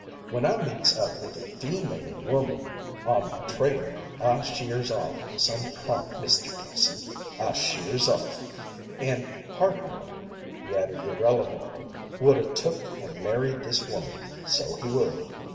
When I meets up with a feemale woman on my trail, I sheers off some prompt, Mr. Dixon; I sheers off. An' Hardenberg," he added irrelevantly, "would a took an' married this woman, so he would.